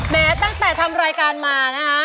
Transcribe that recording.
แม้ตั้งแต่ทำรายการมานะคะ